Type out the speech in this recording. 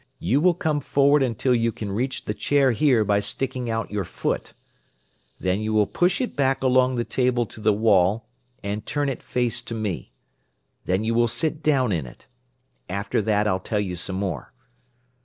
You will come forward until you can reach the chair here by sticking out your foot. Then you will push it back along the table to the wall, and turn it face to me. Then you will sit down in it. After that I'll tell you some more.